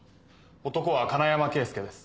男は金山圭介です。